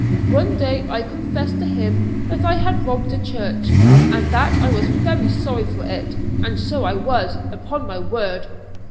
One day I confessed to him that I had robbed a church, and that I was very sorry for it and so I was, upon my word.